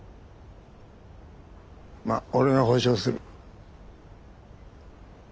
まあ俺が保証する。